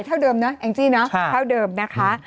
เท่าเดิมนะแองจี้เนอะเท่าเดิมนะคะ